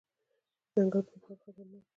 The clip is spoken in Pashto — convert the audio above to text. د ځنګل پرې کول خطرناک دي.